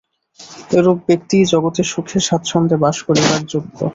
এরূপ ব্যক্তিই জগতে সুখে-স্বচ্ছন্দে বাস করিবার যোগ্য।